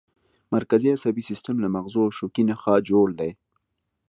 مرکزي عصبي سیستم له مغزو او شوکي نخاع جوړ دی